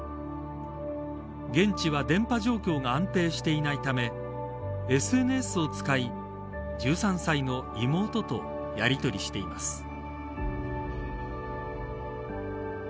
現地は電波状況が安定していないためＳＮＳを使い１３歳の妹とやりとりしています。